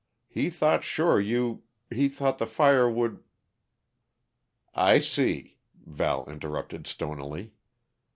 He thought sure you he thought the fire would " "I see," Val interrupted stonily.